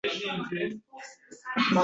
Bolaga g‘alati o‘yinlar o‘rgatasiz-a?